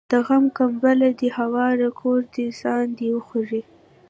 د غم کمبله دي هواره کور دي ساندي وخوري